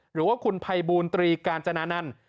หรือว่าคุณภัยบูรตรีกาญจนานันต์